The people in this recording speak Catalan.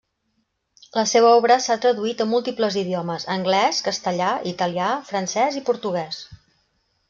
La seva obra s'ha traduït a múltiples idiomes: anglès, castellà, italià, francès i portuguès.